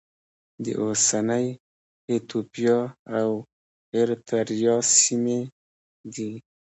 د اوسنۍ ایتوپیا او اریتریا سیمې دي.